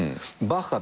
バッハ。